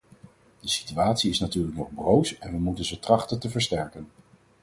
De situatie is natuurlijk nog broos en we moeten ze trachten te versterken.